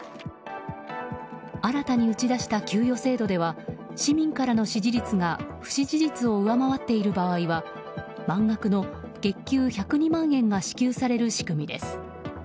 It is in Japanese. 新たに打ち出した給与制度では市民からの支持率が不支持率を上回っている場合は満額の月給１０２万円が支給される仕組みです。